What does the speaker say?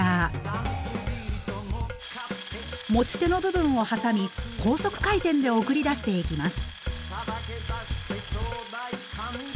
持ち手の部分を挟み高速回転で送り出していきます。